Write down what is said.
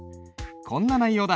こんな内容だ。